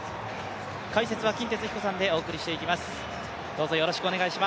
解説は金哲彦さんでお送りしていきます。